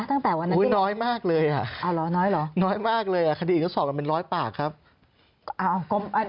ตั้งแต่วันนั้นที่โอ๊ยน้อยมากเลยค่ะคดีอีกละสอบมาเป็น๑๐๐ปากครับอ่้าวน้อยเหรอ